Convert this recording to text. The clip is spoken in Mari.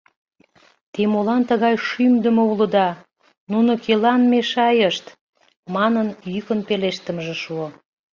«Те молан тыгай шӱмдымӧ улыда, нуно кӧлан мешайышт?» манын, йӱкын пелештымыже шуо.